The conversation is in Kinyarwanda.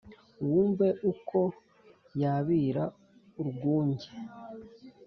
Wumve uko yabira urwunge